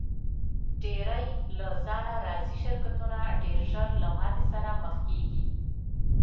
ډېری له ځانه راضي شرکتونه ډېر ژر له ماتې سره مخ کیږي.